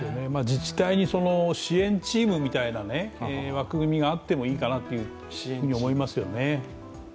自治体に支援チームみたいな枠組みがあってもいいかなと思いますね。